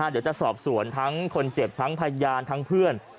เดี๋ยวจะสอบสวนทั้งคนเจ็บทั้งพยานทั้งเพื่อน